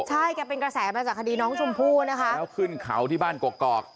ใช่แกเป็นกระแสมาจากคดีน้องชมพู่นะคะแล้วขึ้นเขาที่บ้านกอก